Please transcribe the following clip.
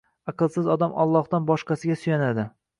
Aqlsiz odam Allohdan boshqasiga suyanadi.